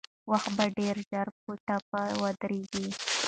وخت به ډېر ژر په ټپه ودرېږي.